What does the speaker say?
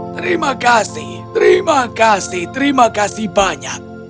terima kasih terima kasih terima kasih banyak